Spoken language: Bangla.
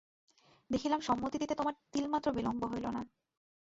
দেখিলাম সম্মতি দিতে তোমার তিলমাত্র বিলম্ব হইল না।